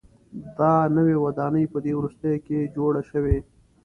دا نوې ودانۍ په دې وروستیو کې جوړه شوې.